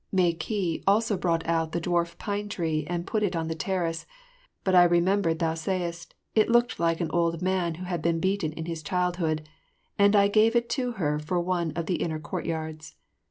Meh ki also brought out the dwarf pine tree and put it on the terrace, but I remembered thou saidst it looked like an old man who had been beaten in his childhood, and I gave it to her for one of the inner courtyards.